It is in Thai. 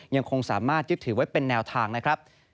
ยังคงสามารถยึดถือไว้เป็นแนวทางนะครับ